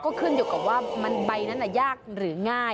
ก็ขึ้นอยู่กับว่าใบนั้นยากหรือง่าย